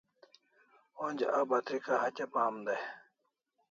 Onja a batrika hatya pam dai